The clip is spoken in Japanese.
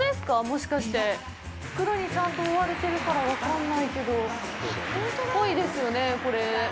袋にちゃんと覆われているから分かんないけど、ぽいですよね、これ。